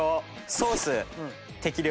ソース適量。